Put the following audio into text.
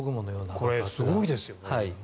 これ、すごいですよね。